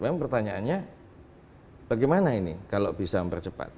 memang pertanyaannya bagaimana ini kalau bisa mempercepat